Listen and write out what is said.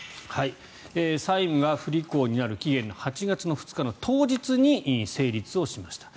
債務が不履行になる期限の８月２日の当日に成立をしました。